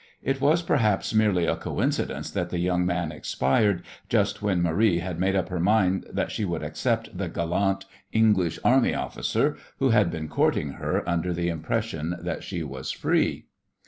It was perhaps merely a coincidence that the young man expired just when Marie had made up her mind that she would accept the gallant English army officer who had been courting her under the impression that she was free.